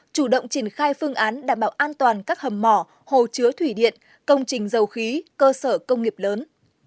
chủ động triển khai phương án đảm bảo an toàn các hầm mỏ hồ chứa thủy điện công trình dầu khí cơ sở công nghiệp lớn